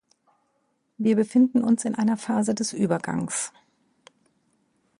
Wir befinden uns in einer Phase des Übergangs.